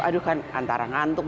aduh kan antara ngantuk